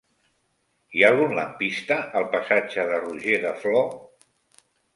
Hi ha algun lampista al passatge de Roger de Flor?